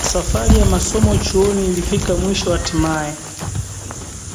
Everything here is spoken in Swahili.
Safari ya masomo chuoni ilifika mwisho hatimaye